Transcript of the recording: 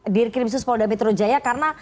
dir krimsus polda metro jaya karena